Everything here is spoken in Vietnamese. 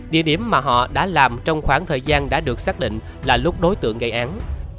địa điểm mà họ đã làm trong khoảng thời gian đã được xác định là lúc đối tượng gây án